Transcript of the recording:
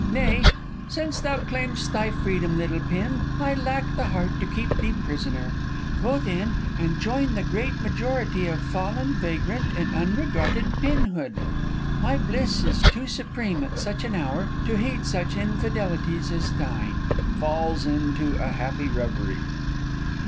Nay, since thou claim'st thy freedom, little pin, I lack the heart to keep thee prisoner. Go, then, and join the great majority Of fallen, vagrant, unregarded pinhood My bliss is too supreme at such an hour To heed such infidelities as thine. [_Falls into a happy reverie.